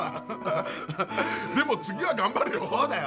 でも次は頑張るよ！